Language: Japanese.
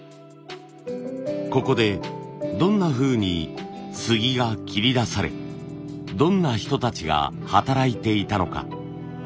ここでどんなふうに杉が切り出されどんな人たちが働いていたのか。